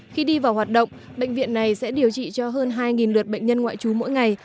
khi đi vào hoạt động bệnh viện này sẽ điều trị cho hơn hai lượt bệnh nhân ngoại trú mỗi ngày